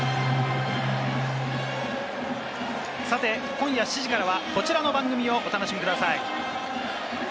さて今夜７時からは、こちらの番組をお楽しみください。